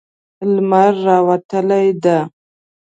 لمر راوتلی ده